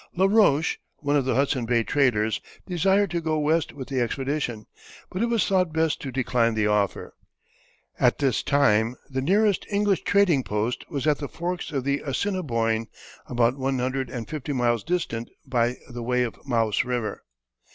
Laroche, one of the Hudson Bay traders, desired to go west with the expedition, but it was thought best to decline the offer. At this time the nearest English trading post was at the forks of the Assiniboin, about one hundred and fifty miles distant by the way of Mouse River.